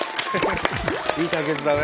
いい対決だね。